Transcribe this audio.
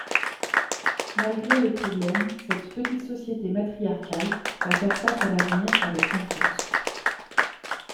Malgré les problèmes, cette petite société matriarcale va faire face à l’avenir avec confiance.